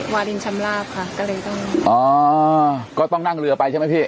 วารินชำลาบค่ะก็เลยต้องอ๋อก็ต้องนั่งเรือไปใช่ไหมพี่